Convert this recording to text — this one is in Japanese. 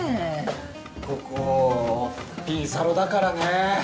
ここピンサロだからね。